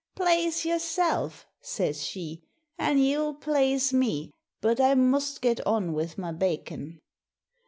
'Plaze yourself,' says she, 'an' you'll plaze me; but I must get on with my bakin'.'